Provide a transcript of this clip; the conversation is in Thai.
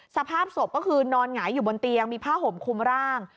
สภาพศพก็คือนอนหงายอยู่บนเตียงมีผ้าห่มคุมร่าง